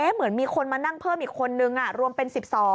เหมือนมีคนมานั่งเพิ่มอีกคนนึงรวมเป็น๑๒